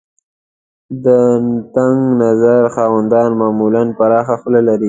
د تنګ نظر خاوندان معمولاً پراخه خوله لري.